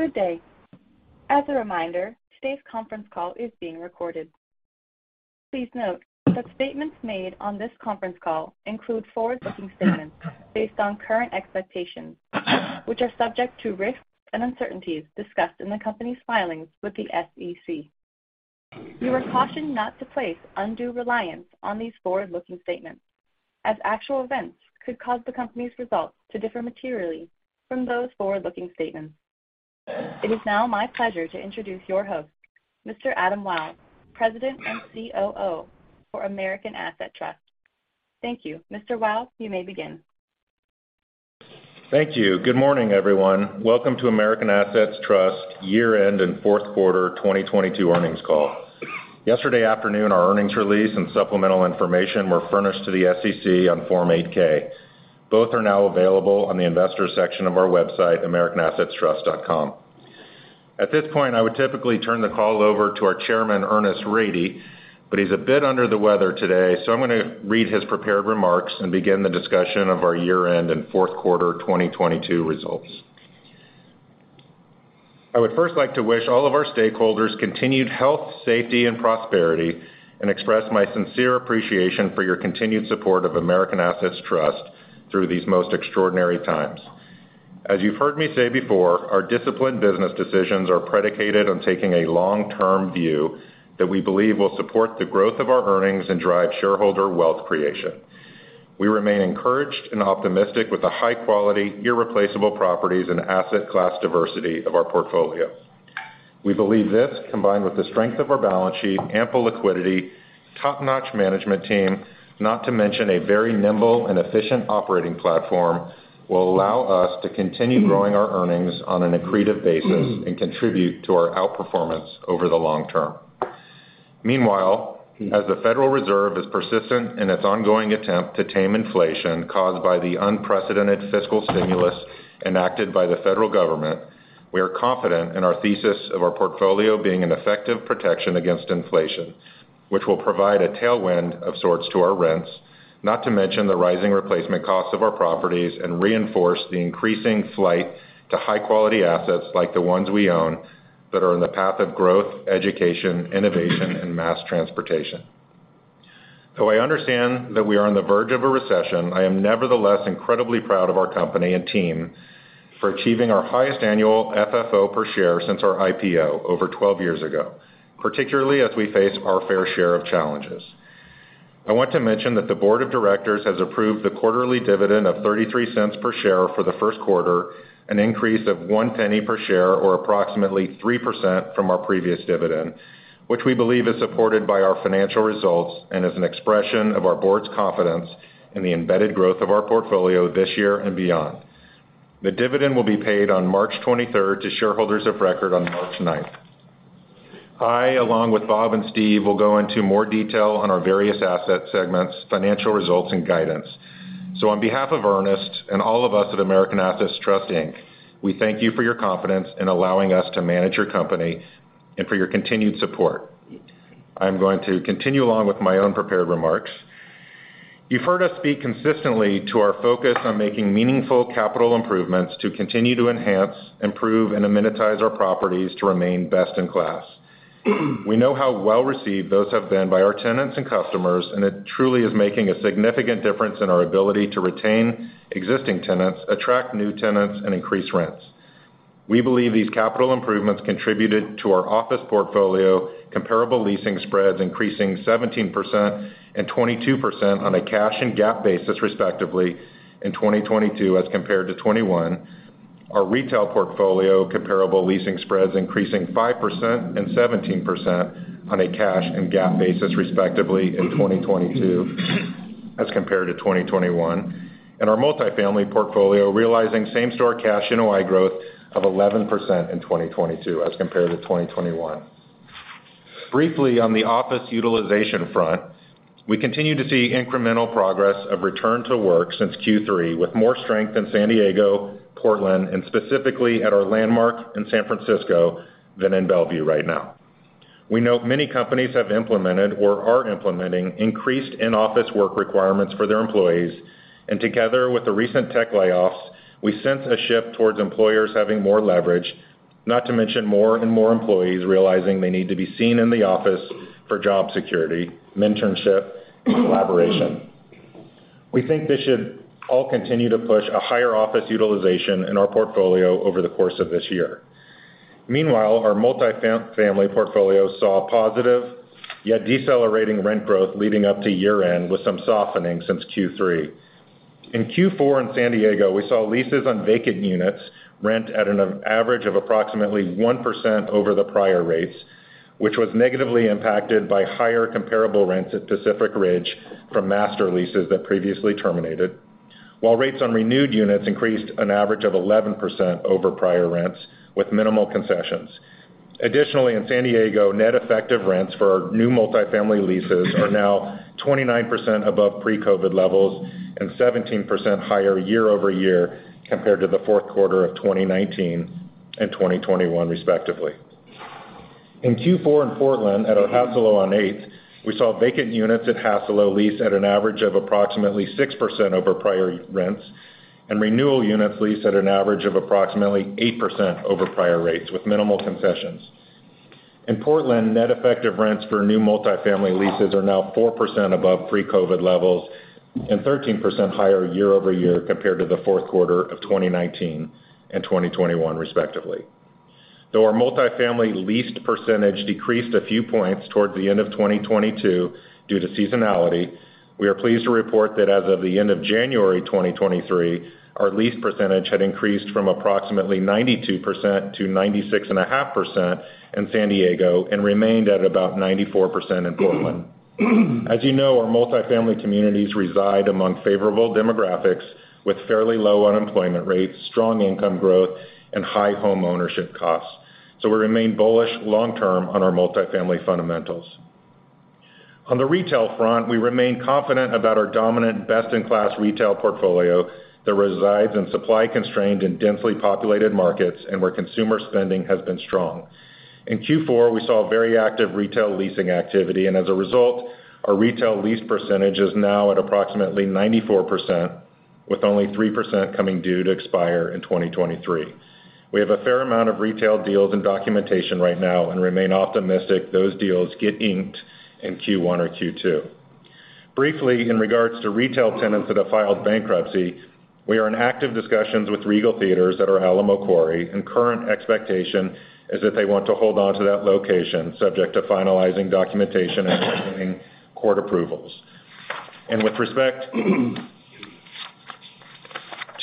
Good day. As a reminder, today's conference call is being recorded. Please note that statements made on this conference call include forward-looking statements based on current expectations, which are subject to risks and uncertainties discussed in the company's filings with the SEC. You are cautioned not to place undue reliance on these forward-looking statements as actual events could cause the company's results to differ materially from those forward-looking statements. It is now my pleasure to introduce your host, Mr. Adam Wyll, President and COO for American Assets Trust. Thank you. Mr. Wyll, you may begin. Thank you. Good morning, everyone. Welcome to American Assets Trust Year-End and Q4 2022 Earnings Call. Yesterday afternoon, our earnings release and supplemental information were furnished to the SEC on Form 8-K. Both are now available on the investors section of our website, americanassetstrust.com. At this point, I would typically turn the call over to our Chairman, Ernest Rady, but he's a bit under the weather today, so I'm gonna read his prepared remarks and begin the discussion of our year-end and Q4 2022 results. I would first like to wish all of our stakeholders continued health, safety, and prosperity, and express my sincere appreciation for your continued support of American Assets Trust through these most extraordinary times. As you've heard me say before, our disciplined business decisions are predicated on taking a long-term view that we believe will support the growth of our earnings and drive shareholder wealth creation. We remain encouraged and optimistic with the high-quality, irreplaceable properties and asset class diversity of our portfolio. We believe this, combined with the strength of our balance sheet, ample liquidity, top-notch management team, not to mention a very nimble and efficient operating platform, will allow us to continue growing our earnings on an accretive basis and contribute to our outperformance over the long term. Meanwhile, as the Federal Reserve is persistent in its ongoing attempt to tame inflation caused by the unprecedented fiscal stimulus enacted by the federal government, we are confident in our thesis of our portfolio being an effective protection against inflation, which will provide a tailwind of sorts to our rents, not to mention the rising replacement cost of our properties and reinforce the increasing flight to high-quality assets like the ones we own that are in the path of growth, education, innovation, and mass transportation. Though I understand that we are on the verge of a recession, I am nevertheless incredibly proud of our company and team for achieving our highest annual FFO per share since our IPO over 12 years ago, particularly as we face our fair share of challenges. I want to mention that the board of directors has approved the quarterly dividend of $0.33 per share for Q1, an increase of $0.01 per share or approximately 3% from our previous dividend, which we believe is supported by our financial results and is an expression of our board's confidence in the embedded growth of our portfolio this year and beyond. The dividend will be paid on March 23rd to shareholders of record on March 9th. On behalf of Ernest and all of us at American Assets Trust, Inc., we thank you for your confidence in allowing us to manage your company and for your continued support. I, along with Bob and Steve, will go into more detail on our various asset segments, financial results, and guidance. I'm going to continue along with my own prepared remarks. You've heard us speak consistently to our focus on making meaningful capital improvements to continue to enhance, improve, and amenitize our properties to remain best in class. We know how well-received those have been by our tenants and customers, and it truly is making a significant difference in our ability to retain existing tenants, attract new tenants, and increase rents. We believe these capital improvements contributed to our office portfolio comparable leasing spreads increasing 17% and 22% on a cash and GAAP basis, respectively, in 2022 as compared to 2021. Our retail portfolio comparable leasing spreads increasing 5% and 17% on a cash and GAAP basis, respectively, in 2022 as compared to 2021. Our multifamily portfolio realizing same-store cash NOI growth of 11% in 2022 as compared to 2021. Briefly, on the office utilization front, we continue to see incremental progress of return to work since Q3 with more strength in San Diego, Portland, and specifically at our landmark in San Francisco than in Bellevue right now. We note many companies have implemented or are implementing increased in-office work requirements for their employees, and together with the recent tech layoffs, we sense a shift towards employers having more leverage, not to mention more and more employees realizing they need to be seen in the office for job security, mentorship, and collaboration. We think this should all continue to push a higher office utilization in our portfolio over the course of this year. Meanwhile, our multifamily portfolio saw positive, yet decelerating rent growth leading up to year-end with some softening since Q3. In Q4 in San Diego, we saw leases on vacant units rent at an average of approximately 1% over the prior rates, which was negatively impacted by higher comparable rents at Pacific Ridge from master leases that previously terminated. While rates on renewed units increased an average of 11% over prior rents with minimal concessions. In San Diego, net effective rents for new multifamily leases are now 29% above pre-COVID levels and 17% higher year-over-year compared to the Q4 of 2019 and 2021, respectively. In Q4 in Portland at our Hassalo on Eighth, we saw vacant units at Hassalo lease at an average of approximately 6% over prior rents, and renewal units leased at an average of approximately 8% over prior rates with minimal concessions. In Portland, net effective rents for new multi-family leases are now 4% above pre-COVID levels and 13% higher year-over-year compared to the Q4 of 2019 and 2021 respectively. Though our multifamily leased percentage decreased a few points towards the end of 2022 due to seasonality, we are pleased to report that as of the end of January 2023, our lease percentage had increased from approximately 92% to 96.5% in San Diego and remained at about 94% in Portland. As you our multifamily reside amoung fevourable demographics with fairly low unemployment, rates strong income growth and high home ownership cost land. So we remain bullish long term on our multifamily fundamentals. On the retail front, we remain confident about our dominant best-in-class retail portfolio that resides in supply-constrained and densely populated markets and where consumer spending has been strong. In Q4, we saw very active retail leasing activity, as a result, our retail lease percentage is now at approximately 94%, with only 3% coming due to expire in 2023. We have a fair amount of retail deals and documentation right now and remain optimistic those deals get inked in Q1 or Q2. Briefly, in regards to retail tenants that have filed bankruptcy, we are in active discussions with Regal Cinemas at our Alamo Quarry, current expectation is that they want to hold on to that location, subject to finalizing documentation and receiving court approvals. With respect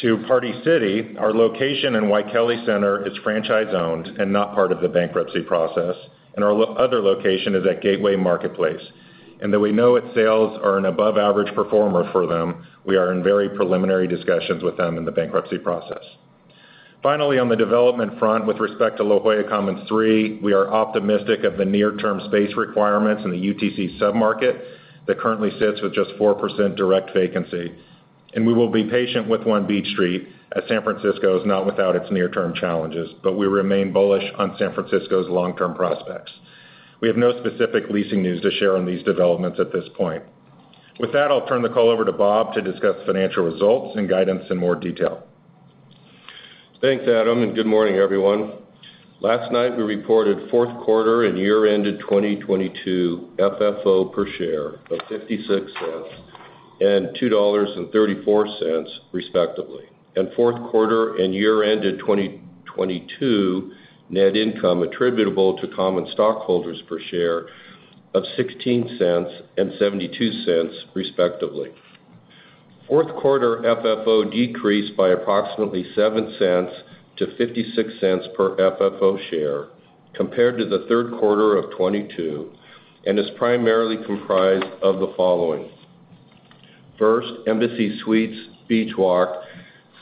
to Party City, our location in Waikele Center is franchise-owned and not part of the bankruptcy process, and our other location is at Gateway Marketplace. Though we know its sales are an above average performer for them, we are in very preliminary discussions with them in the bankruptcy process. Finally, on the development front, with respect to La Jolla Commons III, we are optimistic of the near-term space requirements in the UTC sub-market that currently sits with just 4% direct vacancy. We will be patient with One Beach Street as San Francisco is not without its near-term challenges, but we remain bullish on San Francisco's long-term prospects. We have no specific leasing news to share on these developments at this point. With that, I'll turn the call over to Bob to discuss financial results and guidance in more detail. Thanks, Adam. Good morning, everyone. Last night, we reported Q4 and year-ended 2022 FFO per share of $0.56 and $2.34 respectively, and Q4 and year-ended 2022 net income attributable to common stockholders per share of $0.16 and $0.72 respectively. Q4 FFO decreased by approximately $0.07 to $0.56 per FFO share compared to the Q3 of 2022 and is primarily comprised of the following. First, Embassy Suites Beach Walk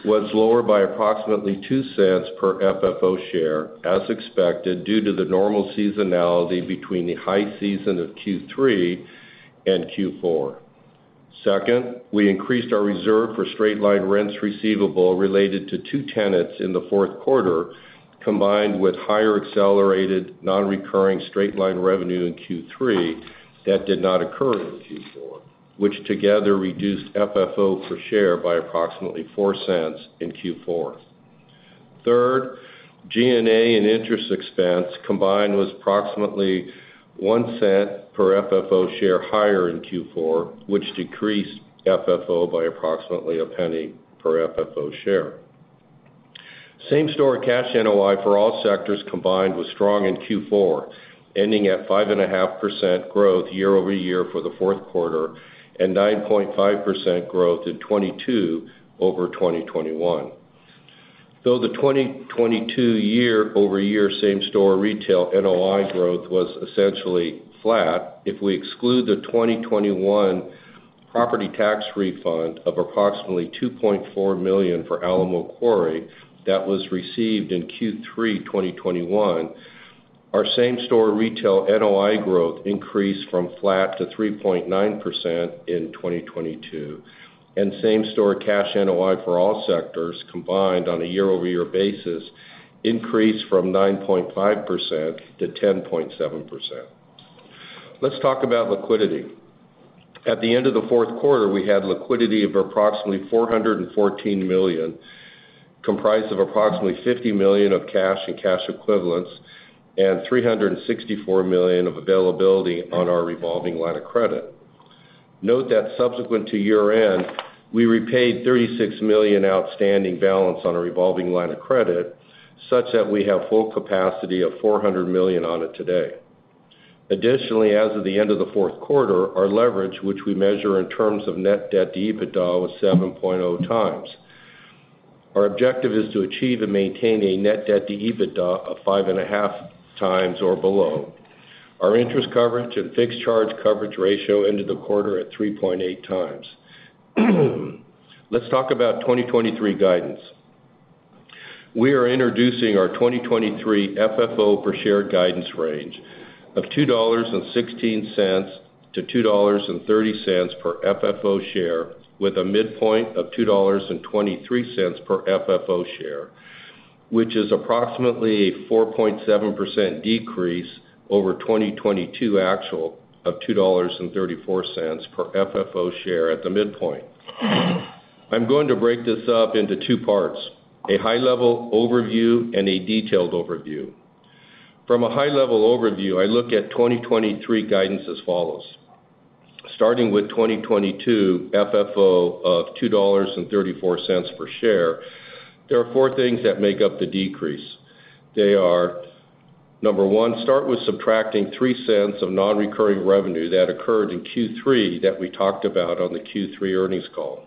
was lower by approximately $0.02 per FFO share, as expected, due to the normal seasonality between the high season of Q3 and Q4. Second, we increased our reserve for straight-line rents receivable related to two tenants in the Q4, combined with higher accelerated non-recurring straight-line revenue in Q3 that did not occur in Q4, which together reduced FFO per share by approximately $0.04 in Q4. Third, G&A and interest expense combined was approximately $0.01 per FFO share higher in Q4, which decreased FFO by approximately $0.01 per FFO share. Same-store cash NOI for all sectors combined was strong in Q4, ending at 5.5% growth year-over-year for the Q4 and 9.5% growth in 2022 over 2021. The 2022 year-over-year same-store retail NOI growth was essentially flat, if we exclude the 2021 property tax refund of approximately $2.4 million for Alamo Quarry that was received in Q3 2021, our same-store retail NOI growth increased from flat to 3.9% in 2022, and same-store cash NOI for all sectors combined on a year-over-year basis increased from 9.5% to 10.7%. Let's talk about liquidity. At the end of the Q4, we had liquidity of approximately $414 million, comprised of approximately $50 million of cash and cash equivalents and $364 million of availability on our revolving line of credit. Note that subsequent to year-end, we repaid $36 million outstanding balance on a revolving line of credit, such that we have full capacity of $400 million on it today. Additionally, as of the end of the Q4, our leverage, which we measure in terms of net debt to EBITDA, was 7.0 times. Our objective is to achieve and maintain a net debt to EBITDA of 5.5 times or below. Our interest coverage and fixed charge coverage ratio ended the quarter at 3.8 times. Let's talk about 2023 guidance. We are introducing our 2023 FFO per share guidance range, of $2.16-$2.30 per FFO share, with a midpoint of $2.23 per FFO share, which is approximately a 4.7% decrease over 2022 actual of $2.34 per FFO share at the midpoint. I'm going to break this up into two parts, a high level overview and a detailed overview. From a high level overview, I look at 2023 guidance as follows. Starting with 2022 FFO of $2.34 per share, there are four things that make up the decrease. They are, number one, start with subtracting $0.03 of non-recurring revenue that occurred in Q3 that we talked about on the Q3 earnings call.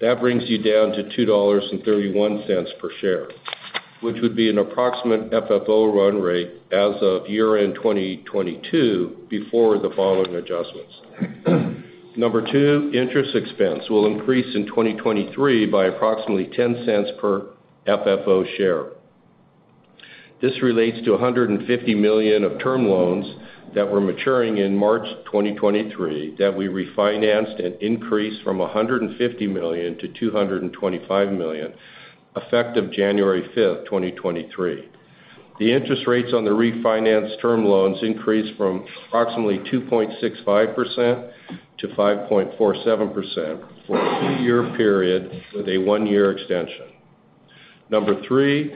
That brings you down to $2.31 per share, which would be an approximate FFO run rate as of year-end 2022 before the following adjustments. Number two, interest expense will increase in 2023 by approximately $0.10 per FFO share. This relates to $150 million of term loans that were maturing in March 2023 that we refinanced and increased from $150 million to $225 million, effective January 5, 2023. The interest rates on the refinance term loans increased from approximately 2.65% to 5.47% for a two-year period with a one-year extension. Number three,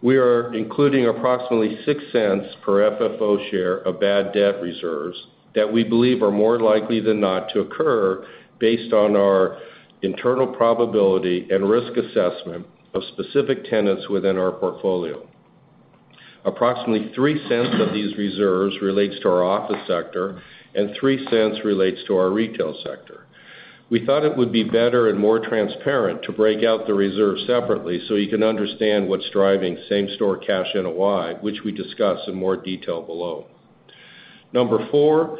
we are including approximately $0.06 per FFO share of bad debt reserves that we believe are more likely than not to occur based on our internal probability and risk assessment of specific tenants within our portfolio. Approximately $0.03 of these reserves relates to our office sector, and $0.03 relates to our retail sector. We thought it would be better and more transparent to break out the reserve separately so you can understand what's driving same-store cash NOI, which we discuss in more detail below. Number four,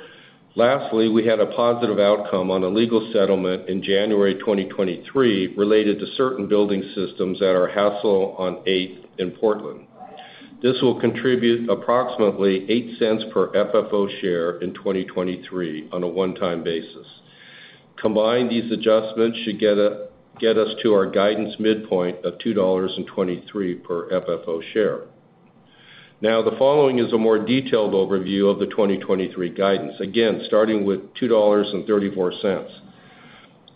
lastly, we had a positive outcome on a legal settlement in January 2023 related to certain building systems at our Hassalo on Eighth in Portland. This will contribute approximately $0.08 per FFO share in 2023 on a one-time basis. Combined, these adjustments should get us to our guidance midpoint of $2.23 per FFO share. The following is a more detailed overview of the 2023 guidance. Again, starting with $2.34.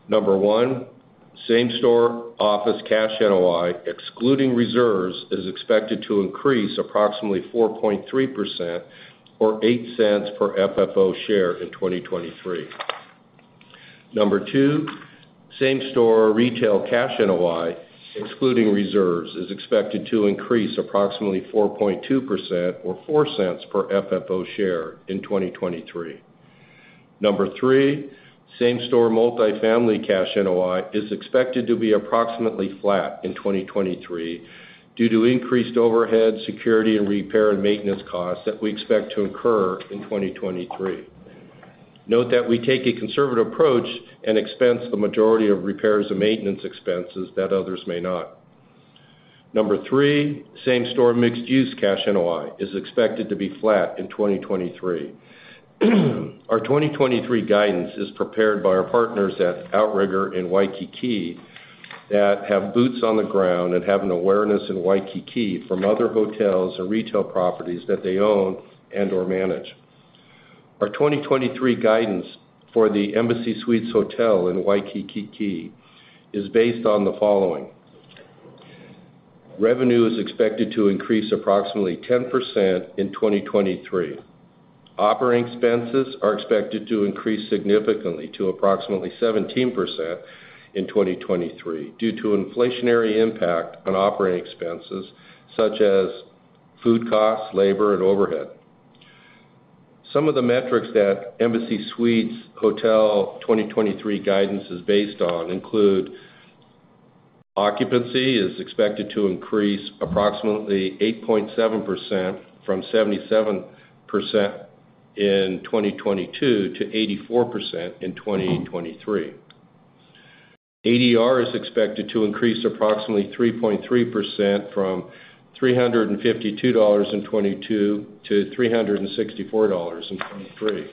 Number one, same-store office cash NOI, excluding reserves, is expected to increase approximately 4.3% or $0.08 per FFO share in 2023. Number two, same-store retail cash NOI, excluding reserves, is expected to increase approximately 4.2% or $0.04 per FFO share in 2023. Number three, same-store multifamily cash NOI is expected to be approximately flat in 2023 due to increased overhead security, and repair and maintenance costs that we expect to incur in 2023. Note that we take a conservative approach and expense the majority of repairs and maintenance expenses that others may not. Number three, same-store mixed-use cash NOI is expected to be flat in 2023. Our 2023 guidance is prepared by our partners at Outrigger in Waikiki that have boots on the ground and have an awareness in Waikiki from other hotels or retail properties that they own and or manage. Our 2023 guidance for the Embassy Suites Hotel in Waikiki is based on the following. Revenue is expected to increase approximately 10% in 2023. Operating expenses are expected to increase significantly to approximately 17% in 2023 due to inflationary impact on operating expenses such as food costs, labor, and overhead. Some of the metrics that Embassy Suites Hotel 2023 guidance is based on include occupancy is expected to increase approximately 8.7% from 77% in 2022 to 84% in 2023. ADR is expected to increase approximately 3.3% from $352 in 2022 to $364 in 2023.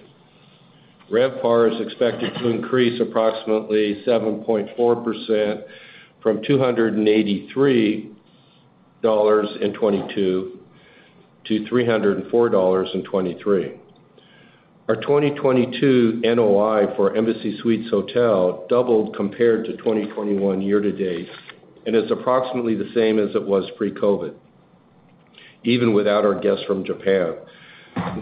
RevPAR is expected to increase approximately 7.4% from $283 in 2022 to $304 in 2023. Our 2022 NOI for Embassy Suites Hotel doubled compared to 2021 year-to-date and is approximately the same as it was pre-COVID, even without our guests from Japan.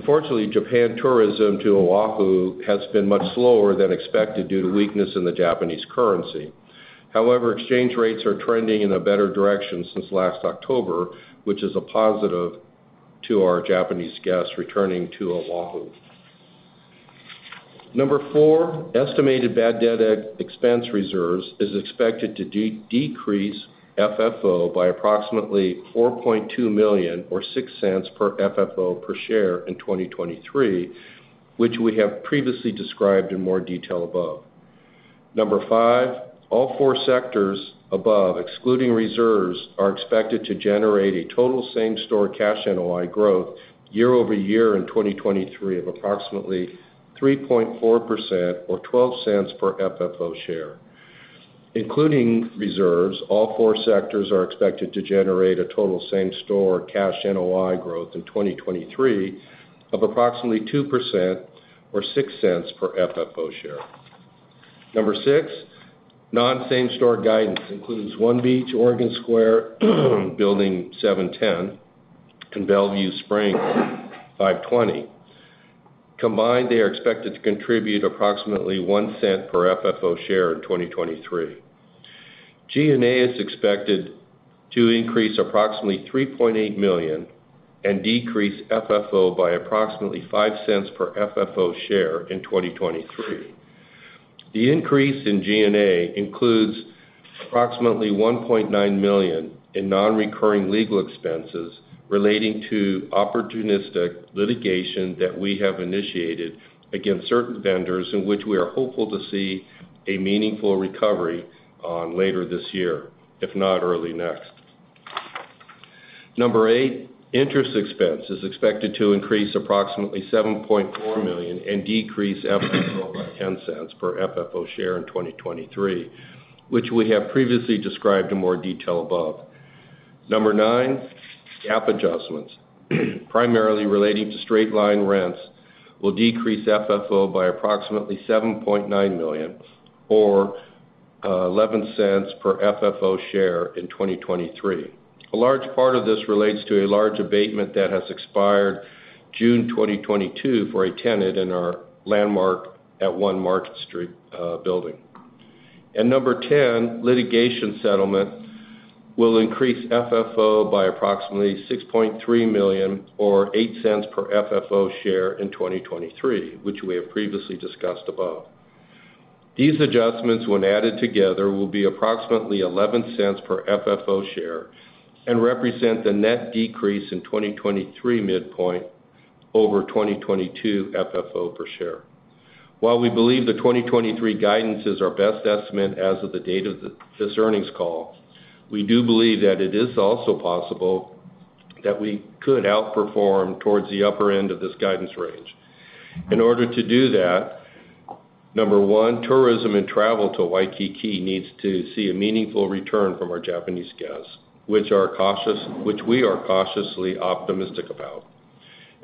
Japan tourism to Oahu has been much slower than expected due to weakness in the Japanese currency. Exchange rates are trending in a better direction since last October, which is a positive to our Japanese guests returning to Oahu. Number four, estimated bad debt ex-expense reserves is expected to decrease FFO by approximately $4.2 million or $0.06 per FFO per share in 2023, which we have previously described in more detail above. Number five, all four sectors above excluding reserves are expected to generate a total same-store cash NOI growth year-over-year in 2023 of approximately 3.4% or $0.12 per FFO share. Including reserves, all four sectors are expected to generate a total same-store cash NOI growth in 2023 of approximately 2% or $0.06 per FFO share. Number six, non-same-store guidance includes One Beach, Oregon Square, Building 710, and Bellevue Springline 520. Combined, they are expected to contribute approximately $0.01 per FFO share in 2023. G&A is expected to increase approximately $3.8 million and decrease FFO by approximately $0.05 per FFO share in 2023. The increase in G&A includes approximately $1.9 million in non-recurring legal expenses relating to opportunistic litigation that we have initiated against certain vendors in which we are hopeful to see a meaningful recovery on later this year, if not early next. Number eight, interest expense is expected to increase approximately $7.4 million and decrease FFO by $0.10 per FFO share in 2023, which we have previously described in more detail above. Number nine, GAAP adjustments, primarily relating to straight-line rents, will decrease FFO by approximately $7.9 million or $0.11 per FFO share in 2023. A large part of this relates to a large abatement that has expired June 2022 for a tenant in our The Landmark @ One Market Street building. Number 10, litigation settlement will increase FFO by approximately $6.3 million or $0.08 per FFO share in 2023, which we have previously discussed above. These adjustments, when added together, will be approximately $0.11 per FFO share and represent the net decrease in 2023 midpoint over 2022 FFO per share. While we believe the 2023 guidance is our best estimate as of the date of this earnings call, we do believe that it is also possible that we could outperform towards the upper end of this guidance range. In order to do that, number one, tourism and travel to Waikiki needs to see a meaningful return from our Japanese guests, which we are cautiously optimistic about.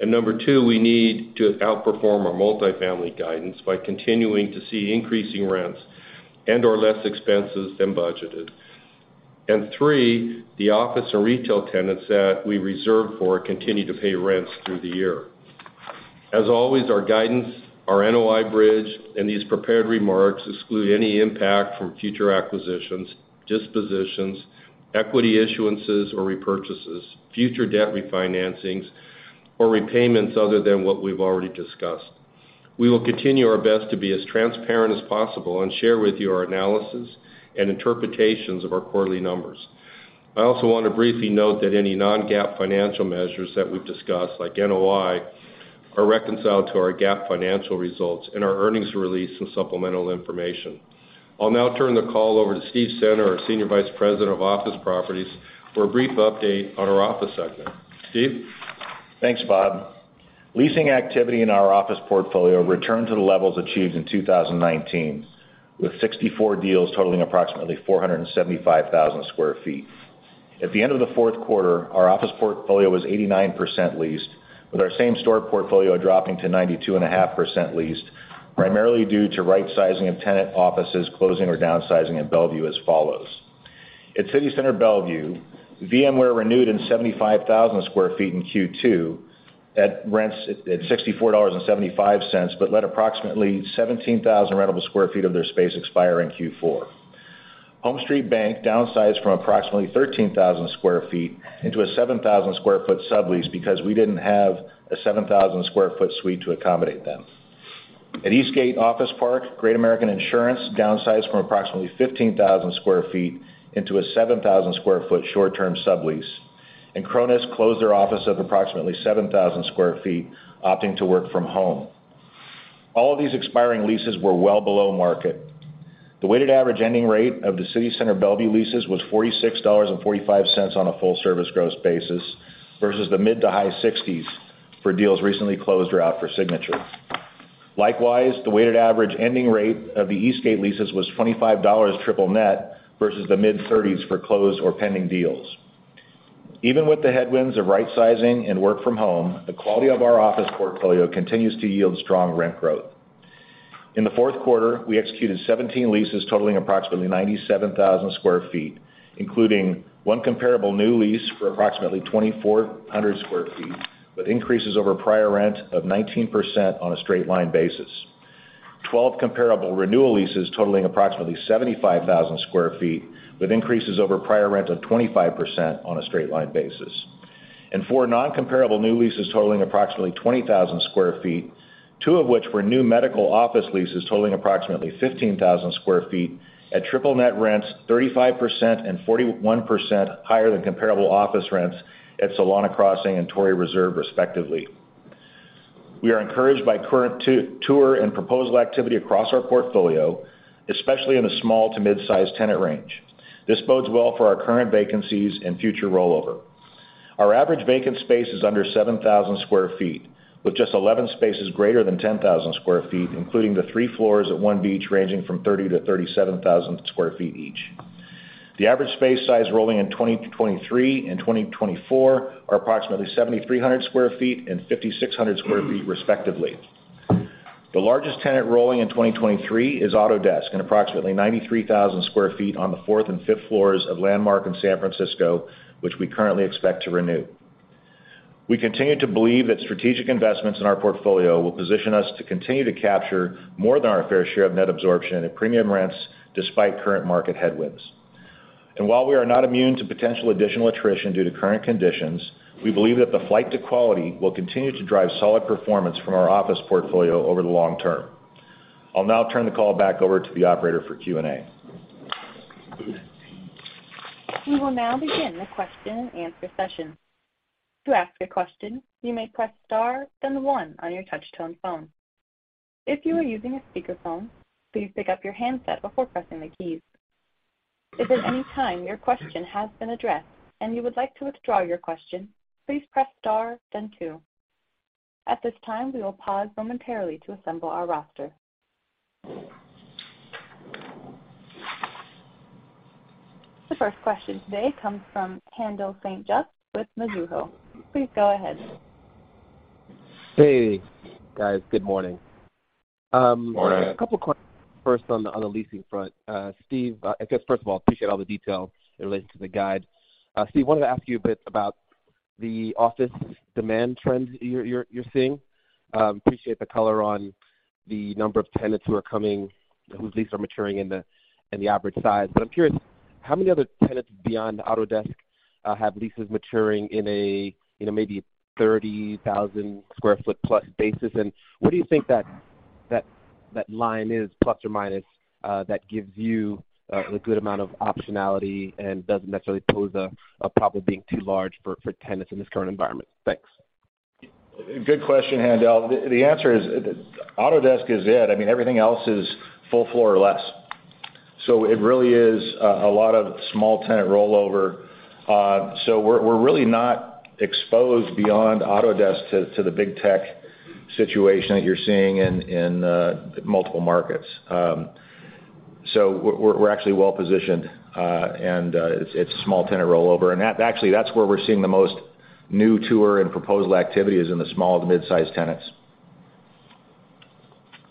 Number two, we need to outperform our multifamily guidance by continuing to see increasing rents and/or less expenses than budgeted. Three, the office and retail tenants that we reserve for continue to pay rents through the year. As always, our guidance, our NOI bridge, and these prepared remarks exclude any impact from future acquisitions, dispositions, equity issuances or repurchases, future debt refinancings, or repayments other than what we've already discussed. We will continue our best to be as transparent as possible and share with you our analysis and interpretations of our quarterly numbers. I also want to briefly note that any non-GAAP financial measures that we've discussed, like NOI, are reconciled to our GAAP financial results in our earnings release and supplemental information. I'll now turn the call over to Steve Center, our Senior Vice President of Office Properties, for a brief update on our office segment. Steve? Thanks, Bob. Leasing activity in our office portfolio returned to the levels achieved in 2019, with 64 deals totaling approximately 475,000 sq ft. At the end of the Q4, our office portfolio was 89% leased, with our same-store portfolio dropping to 92.5% leased, primarily due to right-sizing of tenant offices closing or downsizing at Bellevue as follows. At City Center Bellevue, VMware renewed in 75,000 sq ft in Q2 at rents at $64.75 but let approximately 17,000 rentable sq ft of their space expire in Q4. HomeStreet Bank downsized from approximately 13,000 sq ft into a 7,000 sq ft sublease because we didn't have a 7,000 sq ft suite to accommodate them. At Eastgate Office Park, Great American Insurance downsized from approximately 15,000 square feet into a 7,000 square foot short-term sublease, and Kronos closed their office of approximately 7,000 square feet, opting to work from home. All of these expiring leases were well below market. The weighted average ending rate of the City Center Bellevue leases was $46.45 on a full-service gross basis versus the mid to high $60s for deals recently closed or out for signature. Likewise, the weighted average ending rate of the Eastgate leases was $25 triple net versus the mid-$30s for closed or pending deals. Even with the headwinds of right-sizing and work from home, the quality of our office portfolio continues to yield strong rent growth. In the Q4, we executed 17 leases totaling approximately 97,000 sq ft, including one comparable new lease for approximately 2,400 sq ft, with increases over prior rent of 19% on a straight-line basis. 12 comparable renewal leases totaling approximately 75,000 sq ft, with increases over prior rent of 25% on a straight-line basis. Four non-comparable new leases totaling approximately 20,000 sq ft, two of which were new medical office leases totaling approximately 15,000 sq ft at triple net rents 35% and 41% higher than comparable office rents at Solana Crossing and Torrey Reserve, respectively. We are encouraged by current tour and proposal activity across our portfolio, especially in the small to mid-sized tenant range. This bodes well for our current vacancies and future rollover. Our average vacant space is under 7,000 sq ft, with just 11 spaces greater than 10,000 sq ft, including the three floors at One Beach, ranging from 30,000-37,000 sq ft each. The average space size rolling in 2023 and 2024 are approximately 7,300 sq ft and 5,600 sq ft, respectively. The largest tenant rolling in 2023 is Autodesk, and approximately 93,000 sq ft on the fourth and fifth floors of Landmark in San Francisco, which we currently expect to renew. We continue to believe that strategic investments in our portfolio will position us to continue to capture more than our fair share of net absorption at premium rents despite current market headwinds. While we are not immune to potential additional attrition due to current conditions, we believe that the flight to quality will continue to drive solid performance from our office portfolio over the long term. I'll now turn the call back over to the operator for Q&A. We will now begin the question and answer session. To ask a question, you may press star, then one on your touch-tone phone. If you are using a speakerphone, please pick up your handset before pressing the keys. If at any time your question has been addressed and you would like to withdraw your question, please press star then two. At this time, we will pause momentarily to assemble our roster. The first question today comes from Haendel St. Juste with Mizuho. Please go ahead. Hey, guys. Good morning. Morning. A couple questions. First, on the leasing front. Steve, I guess first of all, appreciate all the detail in relation to the guide. Steve, wanted to ask you a bit about the office demand trends you're seeing. Appreciate the color on the number of tenants who are coming, whose leases are maturing in the average size. I'm curious, how many other tenants beyond Autodesk have leases maturing in a, you know, maybe 30,000 sq ft plus basis? Where do you think that line is plus or minus that gives you a good amount of optionality and doesn't necessarily pose a problem being too large for tenants in this current environment? Thanks. Good question, Haendel. The answer is Autodesk is it. I mean, everything else is full floor or less. It really is a lot of small tenant rollover. We're really not exposed beyond Autodesk to the big tech situation that you're seeing in multiple markets. We're actually well positioned, and it's small tenant rollover. Actually, that's where we're seeing the most new tour and proposal activity is in the small to mid-sized tenants.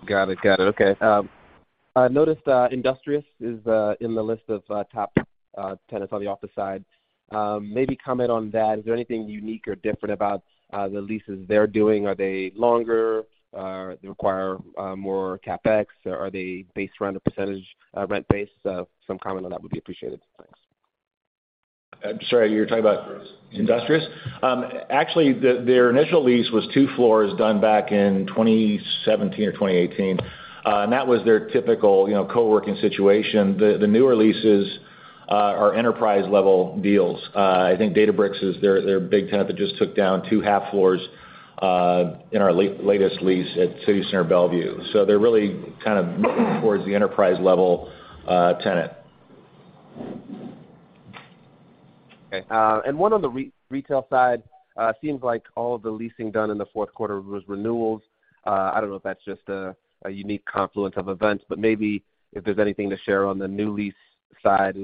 Got it. Got it. Okay. I noticed that Industrious is in the list of top tenants on the office side. Maybe comment on that. Is there anything unique or different about the leases they're doing? Are they longer? Do they require more CapEx? Are they based around a percentage rent base? Some comment on that would be appreciated. Thanks. I'm sorry, you're talking about Industrious? Actually, their initial lease was two floors done back in 2017 or 2018. That was their typical, you know, co-working situation. The newer leases are enterprise-level deals. I think Databricks is their big tenant that just took down two half floors in our latest lease at City Center Bellevue. They're really kind of moving towards the enterprise-level tenant. Okay. One on the re-retail side. Seems like all the leasing done in the Q4 was renewals. I don't know if that's just a unique confluence of events. Maybe if there's anything to share on the new lease side,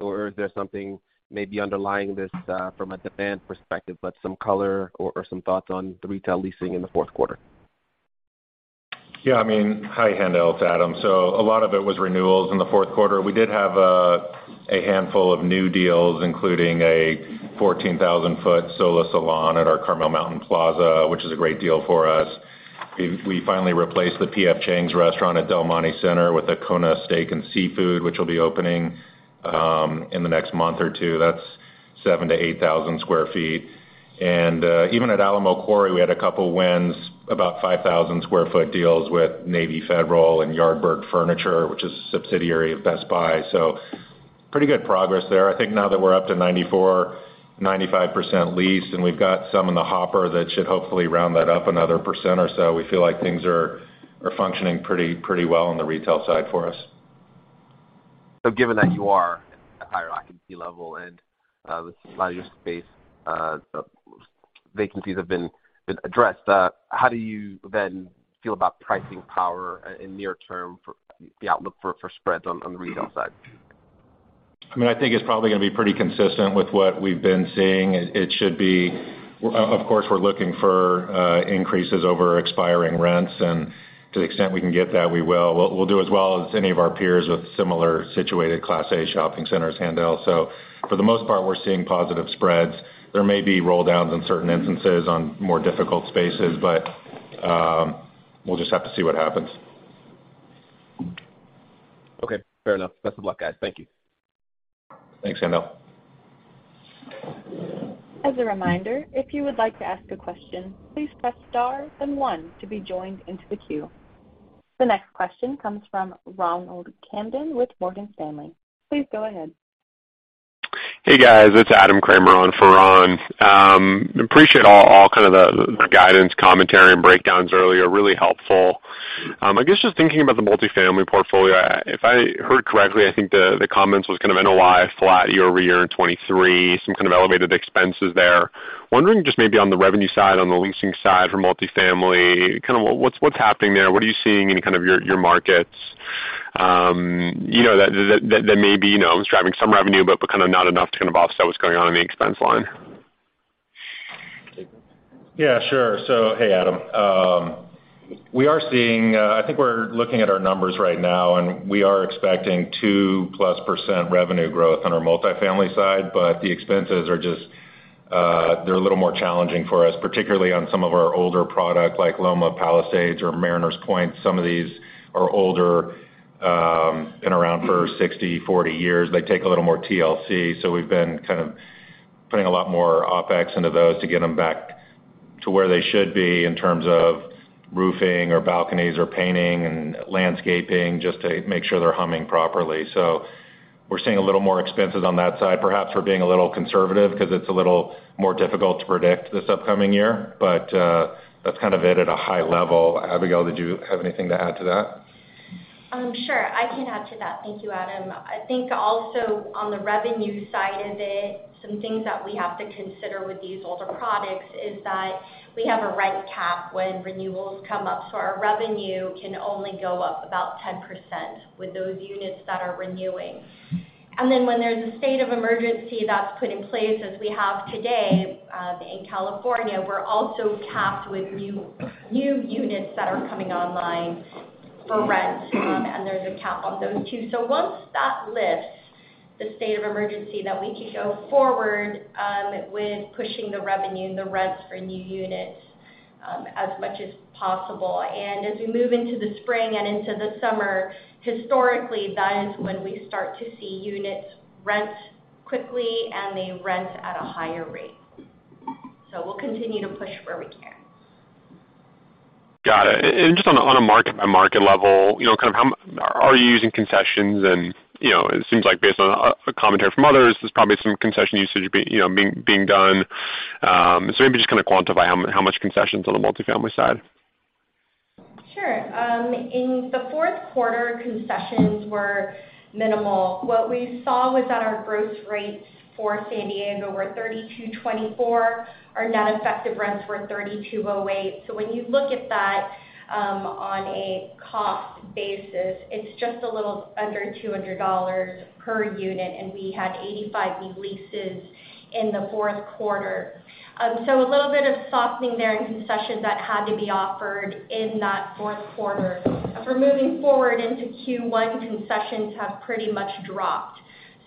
or is there something maybe underlying this, from a demand perspective, but some color or some thoughts on the retail leasing in the Q4? I mean, Hi, Haendel. It's Adam. A lot of it was renewals in the Q4. We did have a handful of new deals, including a 14,000-foot Sola Salons at our Carmel Mountain Plaza, which is a great deal for us. We finally replaced the P.F. Chang's restaurant at Del Monte Center with a Kona Steak & Seafood, which will be opening in the next month or two. That's 7,000 sq ft to 8,000 sq ft. Even at Alamo Quarry, we had a couple wins, about 5,000 sq ft deals with Navy Federal and Yardbird Furniture, which is a subsidiary of Best Buy. Pretty good progress there. I think now that we're up to 94%, 95% leased, and we've got some in the hopper that should hopefully round that up another % or so, we feel like things are functioning pretty well on the retail side for us. Given that you are at higher occupancy level and with a lot of your space, vacancies have been addressed, how do you then feel about pricing power in near term for the outlook for spreads on the retail side? I mean, I think it's probably gonna be pretty consistent with what we've been seeing. It should be. Of course, we're looking for increases over expiring rents. To the extent we can get that, we will. We'll do as well as any of our peers with similar situated Class A shopping centers, Haendel. For the most part, we're seeing positive spreads. There may be roll downs in certain instances on more difficult spaces, but we'll just have to see what happens. Okay, fair enough. Best of luck, guys. Thank you. Thanks, Haendel. As a reminder, if you would like to ask a question, please press star then one to be joined into the queue. The next question comes from Ronald Kamdem with Morgan Stanley. Please go ahead. Hey guys, it's Adam Kramer on for Ron. Appreciate all kind of the guidance, commentary, and breakdowns earlier. Really helpful. I guess just thinking about the multifamily portfolio, if I heard correctly, I think the comments was kind of NOI flat year-over-year in 23, some kind of elevated expenses there. Wondering just maybe on the revenue side, on the leasing side for multifamily, kind of what's happening there? What are you seeing in kind of your markets, you know, that may be, you know, driving some revenue, but kinda not enough to kind of offset what's going on in the expense line? Yeah, sure. Hey, Adam. We are seeing. I think we're looking at our numbers right now, and we are expecting 2+% revenue growth on our multifamily side. The expenses are just they're a little more challenging for us, particularly on some of our older product like Loma Palisades or Mariners Point. Some of these are older, been around for 60, 40 years. They take a little more TLC. We've been kind of putting a lot more OpEx into those to get them back to where they should be in terms of roofing or balconies or painting and landscaping, just to make sure they're humming properly. We're seeing a little more expenses on that side. Perhaps we're being a little conservative because it's a little more difficult to predict this upcoming year. That's kind of it at a high level. Abigail, did you have anything to add to that? Sure. I can add to that. Thank you, Adam. I think also on the revenue side of it, some things that we have to consider with these older products is that we have a rent cap when renewals come up, so our revenue can only go up about 10% with those units that are renewing. When there's a state of emergency that's put in place, as we have today, in California, we're also capped with new units that are coming online for rent, and there's a cap on those too. Once that lifts, the state of emergency, then we can go forward with pushing the revenue and the rents for new units, as much as possible. As we move into the spring and into the summer, historically, that is when we start to see units rent quickly and they rent at a higher rate. We'll continue to push where we can. Got it. Just on a market by market level, you know, kind of how are you using concessions? You know, it seems like based on a commentary from others, there's probably some concession usage being done. Maybe just kind of quantify how much concessions on the multifamily side. Sure. In the Q4, concessions were minimal. What we saw was that our gross rates for San Diego were $32.24. Our net effective rents were $32.08. When you look at that, on a cost basis, it's just a little under $200 per unit, and we had 85 leases in the Q4. A little bit of softening there in concessions that had to be offered in that Q4. For moving forward into Q1, concessions have pretty much dropped.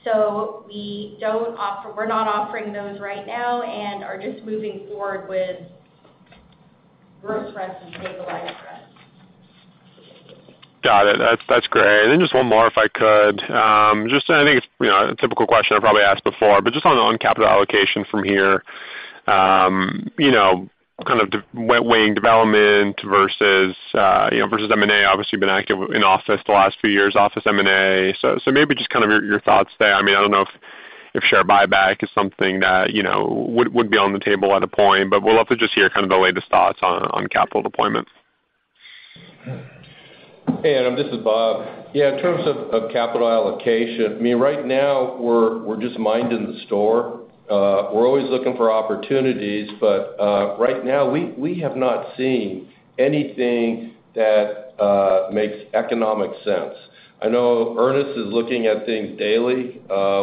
We're not offering those right now and are just moving forward with gross rents and stabilized rents. Got it. That's great. Just one more, if I could. Just, and I think it's, you know, a typical question I probably asked before, but just on capital allocation from here, you know, kind of de- weighing development versus, you know, versus M&A. Obviously, you've been active in office the last few years, office M&A. Maybe just kind of your thoughts there. I mean, I don't know if share buyback is something that, you know, would be on the table at a point, but would love to just hear kind of the latest thoughts on capital deployments. Hey, Adam, this is Bob. Yeah, in terms of capital allocation, I mean, right now we're just minding the store. We're always looking for opportunities. Right now we have not seen anything that makes economic sense. I know Ernest is looking at things daily.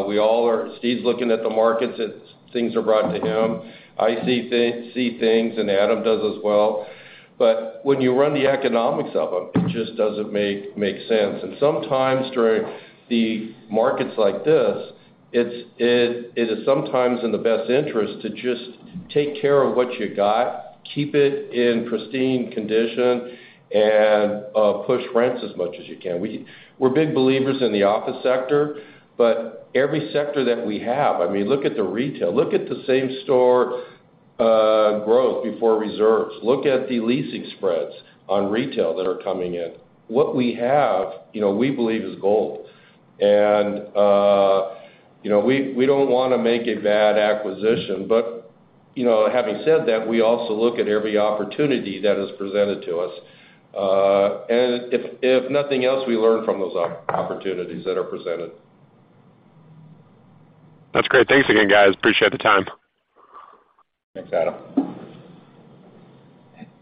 We all are. Steve's looking at the markets that things are brought to him. I see things, and Adam does as well. When you run the economics of them, it just doesn't make sense. Sometimes during the markets like this, it's, it is sometimes in the best interest to just take care of what you got, keep it in pristine condition, and push rents as much as you can. We're big believers in the office sector, but every sector that we have, I mean, look at the retail. Look at the same store growth before reserves. Look at the leasing spreads on retail that are coming in. What we have, you know, we believe is gold. You know, we don't wanna make a bad acquisition. You know, having said that, we also look at every opportunity that is presented to us. If nothing else, we learn from those opportunities that are presented. That's great. Thanks again, guys. Appreciate the time. Thanks, Adam.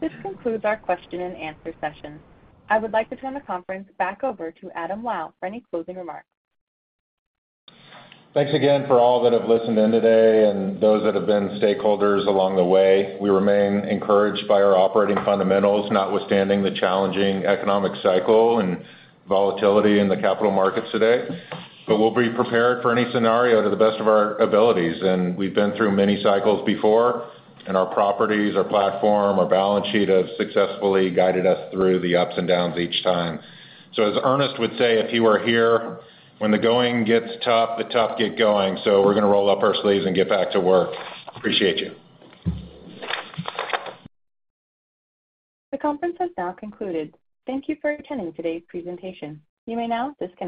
This concludes our question and answer session. I would like to turn the conference back over to Adam Wyll for any closing remarks. Thanks again for all that have listened in today and those that have been stakeholders along the way. We remain encouraged by our operating fundamentals, notwithstanding the challenging economic cycle and volatility in the capital markets today. We'll be prepared for any scenario to the best of our abilities. We've been through many cycles before, and our properties, our platform, our balance sheet has successfully guided us through the ups and downs each time. As Ernest would say if he were here, When the going gets tough, the tough get going. We're gonna roll up our sleeves and get back to work. Appreciate you. The conference has now concluded. Thank you for attending today's presentation. You may now disconnect.